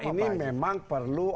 nah ini memang perlu